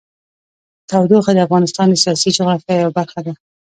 تودوخه د افغانستان د سیاسي جغرافیه یوه برخه ده.